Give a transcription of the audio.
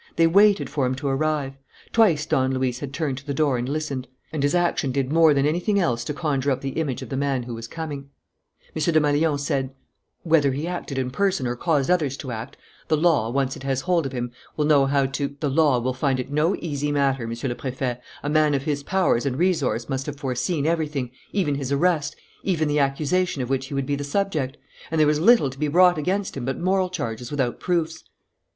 They waited for him to arrive. Twice Don Luis had turned to the door and listened. And his action did more than anything else to conjure up the image of the man who was coming. M. Desmalions said: "Whether he acted in person or caused others to act, the law, once it has hold of him, will know how to " "The law will find it no easy matter, Monsieur le Préfet! A man of his powers and resource must have foreseen everything, even his arrest, even the accusation of which he would be the subject; and there is little to be brought against him but moral charges without proofs."